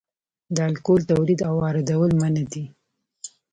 د الکول تولید او واردول منع دي